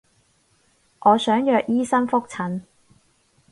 我想約醫生覆診